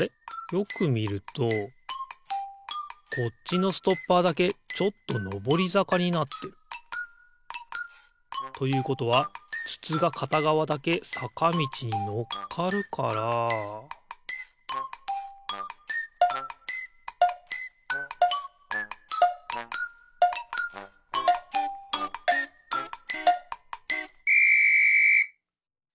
よくみるとこっちのストッパーだけちょっとのぼりざかになってる。ということはつつがかたがわだけさかみちにのっかるからピッ！